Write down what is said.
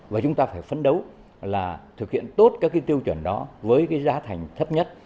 và chúng ta phải phấn đấu là thực hiện tốt các tiêu chuẩn đó với giá thành thấp nhất